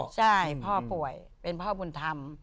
ใช่พ่อป่วยเป็นพ่อบุญธรรม